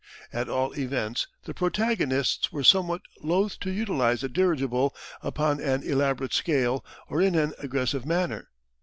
At all events, the protagonists were somewhat loth to utilise the dirigible upon an elaborate scale or in an aggressive manner.